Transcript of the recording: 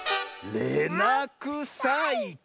れなくさいち！